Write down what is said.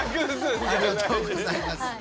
ありがとうございます。